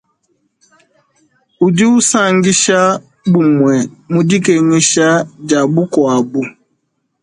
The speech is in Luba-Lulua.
Udi usankisha, bumue mu dikengesha dia mukuabu.